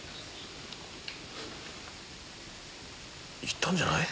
・行ったんじゃない？